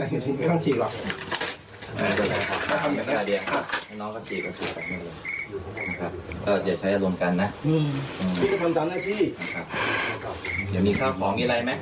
อีกหน้าที่ซึ่ง